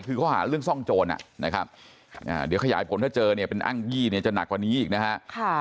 คือข้อหาเรื่องซ่องโจรนะครับเดี๋ยวขยายผลถ้าเจอเนี่ยเป็นอ้างยี่เนี่ยจะหนักกว่านี้อีกนะฮะ